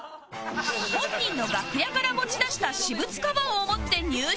本人の楽屋から持ち出した私物カバンを持って入室